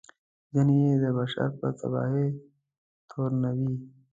ځینې یې د بشر په تباهي تورنوي.